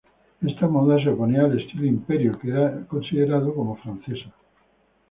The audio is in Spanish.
Esta moda se oponía al estilo imperio, que era considerada como francesa.